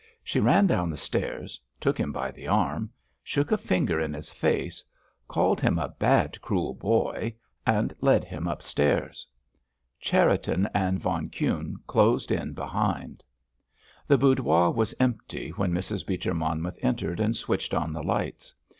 She ran down the stairs, took him by the arm, shook a finger in his face, called him a "bad, cruel boy," and led him upstairs. Cherriton and von Kuhne closed in behind. The boudoir was empty when Mrs. Beecher Monmouth entered and switched on the lights.